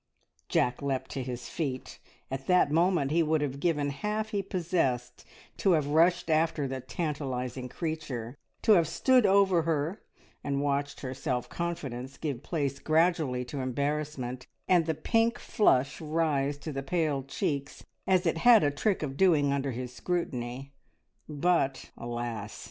Jack leapt to his feet; at that moment he would have given half he possessed to have rushed after the tantalising creature, to have stood over her, and watched her self confidence give place gradually to embarrassment, and the pink flush rise to the pale cheeks as it had a trick of doing under his scrutiny, but, alas!